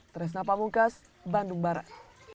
trisna pamungkas bandung barat